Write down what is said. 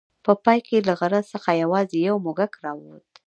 په پای کې له غره څخه یوازې یو موږک راووت.